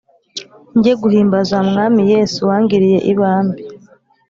Njye nguhimbaza mwami yesu wangiriye ibambe